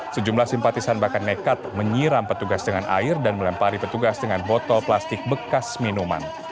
sejumlah simpatisan bahkan nekat menyiram petugas dengan air dan melempari petugas dengan botol plastik bekas minuman